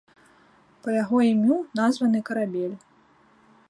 Па яго імю названы карабель.